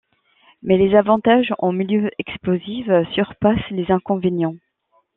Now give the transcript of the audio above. Mais les avantages en milieux explosifs surpassent les inconvénients.